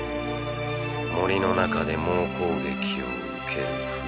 森の中で猛攻撃を受けるフシ。